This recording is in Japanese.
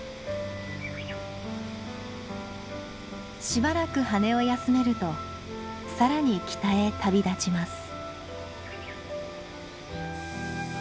しばらく羽を休めると更に北へ旅立ちます。